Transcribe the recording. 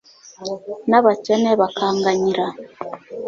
n'abakene bakanganyira